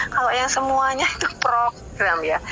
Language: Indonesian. kalau yang semuanya itu program ya